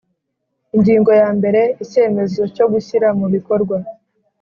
Ingingo yambere Icyemezo cyo gushyira mu bikorwa